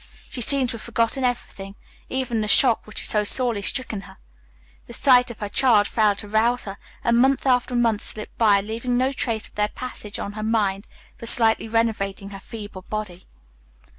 She seemed to have forgotten everything, even the shock which had so sorely stricken her. The sight of her child failed to rouse her, and month after month slipped by, leaving no trace of their passage on her mind, and but slightly renovating her feeble body.